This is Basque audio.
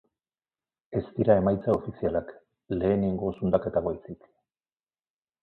Ez dira emaitza ofizialak, lehenengo zundaketak baizik.